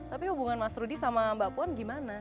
tapi hubungan mas rudy sama mbak puan gimana